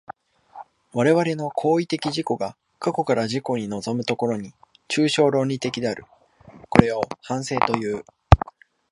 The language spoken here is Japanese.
我々の行為的自己が過去から自己に臨む所に、抽象論理的である。これを反省という。